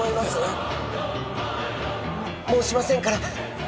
もうしませんから。